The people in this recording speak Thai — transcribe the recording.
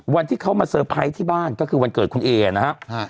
วันที่เขามาเตอร์ไพรส์ที่บ้านก็คือวันเกิดคุณเอนะครับ